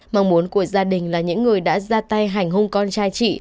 mong muốn của gia đình là những người đã ra tay hành hung con trai chị